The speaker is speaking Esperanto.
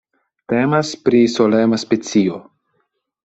Temas pri solema specio.